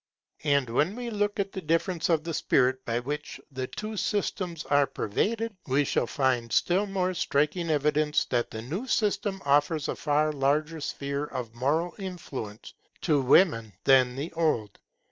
And when we look at the difference of the spirit by which the two systems are pervaded, we shall find still more striking evidence that the new system offers a far larger sphere of moral influence to women than the old.